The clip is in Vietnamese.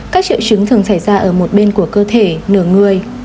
các triệu chứng thường xảy ra ở một bên của cơ thể nửa người